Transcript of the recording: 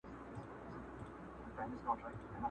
زه چي هر قدم ایږدمه هر ګړی دي یادومه!